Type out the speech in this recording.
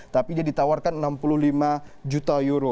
tapi dia ditawarkan enam puluh lima juta euro